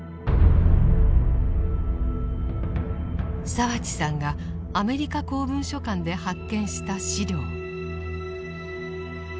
澤地さんがアメリカ公文書館で発見した資料。